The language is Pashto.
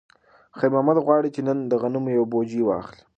خیر محمد غواړي چې نن د غنمو یوه بوجۍ واخلي.